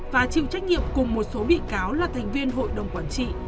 và chịu trách nhiệm cùng một số bị cáo là thành viên hội đồng quản trị